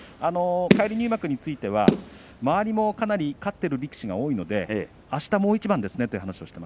返り入幕については周りもかなり勝ってる力士が多いのであした、もう一番ですね